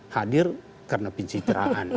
hadir karena pencitraan